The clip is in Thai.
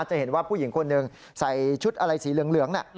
จะเห็นว่าผู้หญิงคนหนึ่งใส่ชุดอะไรสีเหลืองน่ะ